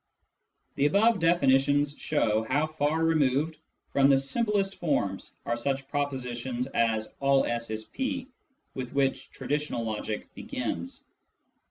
The above definitions show how far removed from the simplest forms are such propositions as " all S is P," with which tradi tional logic begins.